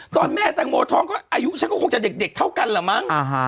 ตอนแม่แตงโมท้องก็อายุฉันก็คงจะเด็กเท่ากันเหรอมั้ง